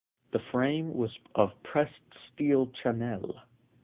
The frame was of pressed steel channel.